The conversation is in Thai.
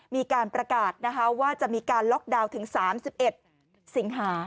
มีการประกาศว่าจะมีการล็อกดาวน์ถึง๓๑สิงหา